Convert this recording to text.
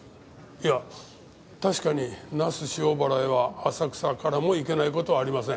いや確かに那須塩原へは浅草からも行けない事はありません。